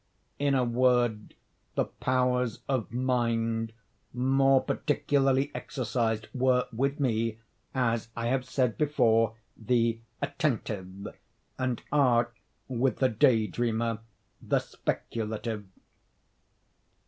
In a word, the powers of mind more particularly exercised were, with me, as I have said before, the attentive, and are, with the day dreamer, the speculative.